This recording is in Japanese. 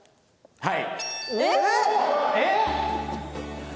はい。